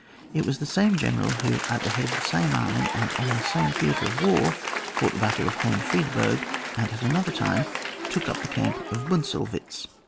It was the same general who at the head of the same army, and on the same theatre of war, fought the battle of HohenMedberg, and at another time took up the camp of Bunzelwitz.